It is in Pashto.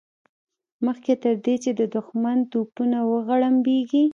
مخکې تر دې چې د دښمن توپونه وغړمبېږي.